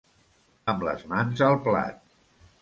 Amb les mans al plat.